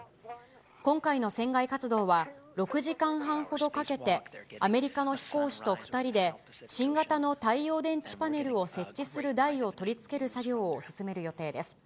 今回の船外活動は、６時間半ほどかけてアメリカの飛行士と２人で、新型の太陽電池パネルを設置する台を取り付ける作業を進める予定です。